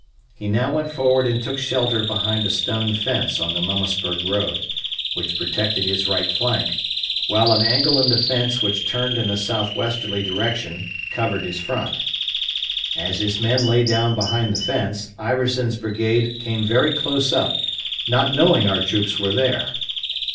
* He now went forward and took shelter behind a stone fence on the Mummasburg road, which protected his right flank, while an angle in the fence which turned in a southwesterly direction covered his front. As his men lay down behind the fence, Iverson's brigade came very close up, not knowing our troops were there.